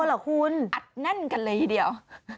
อัดนั้นกันเลยเดียว